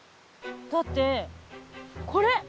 だってこれ。